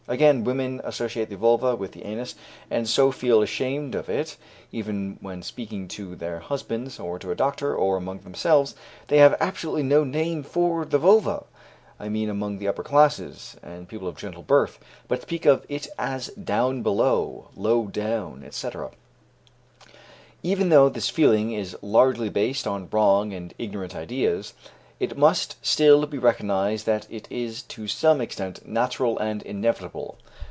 Again, women associate the vulva with the anus, and so feel ashamed of it; even when speaking to their husbands, or to a doctor, or among themselves; they have absolutely no name for the vulva (I mean among the upper classes, and people of gentle birth), but speak of it as 'down below,' 'low down,' etc." Even though this feeling is largely based on wrong and ignorant ideas, it must still be recognized that it is to some extent natural and inevitable.